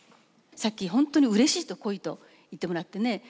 さっき本当にうれしいと「濃い」と言ってもらってね